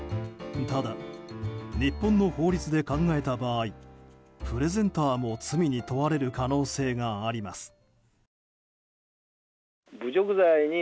ただ日本の法律で考えた場合プレゼンターも罪に問われる可能性があります。